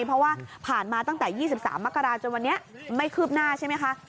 เพราะว่าผ่านมาตั้งแต่๒๓มกราจนวันนี้ไม่คืบหน้าใช่ไหมคะ